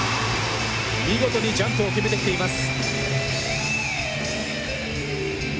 見事にジャンプを決めてきています。